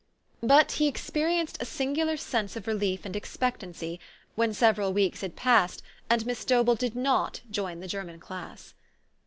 But he experienced a singular sense of relief and expectancy, when several weeks had passed, and Miss Dobell did not join the German class.